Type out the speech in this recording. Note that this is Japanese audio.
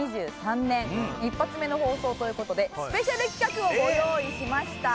一発目の放送という事でスペシャル企画をご用意しました。